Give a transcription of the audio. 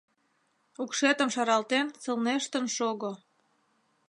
Укшетым шаралтен, сылнештын шого!» —